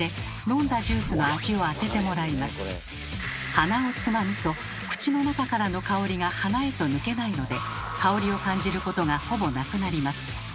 鼻をつまむと口の中からの香りが鼻へと抜けないので香りを感じることがほぼなくなります。